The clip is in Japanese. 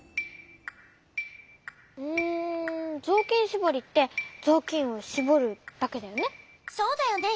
しぼりってぞうきんをしぼるだけだよね？